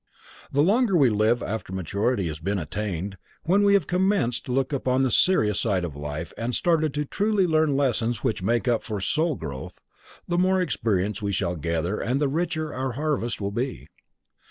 The longer we live after maturity has been attained, when we have commenced to look upon the serious side of life and started to truly learn lessons which make for soulgrowth, the more experience we shall gather and the richer our harvest will be.